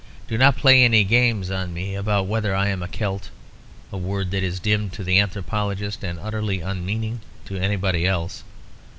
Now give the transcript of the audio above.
Do not play any games on me about whether I am a Celt, a word that is dim to the anthropologist and utterly unmeaning to anybody else.